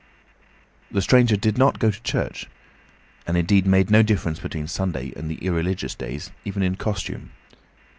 The stranger did not go to church, and indeed made no difference between Sunday and the irreligious days, even in costume.